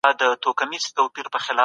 ګډې هڅې د علمي کارونو د تکرار مخنیوی کوي.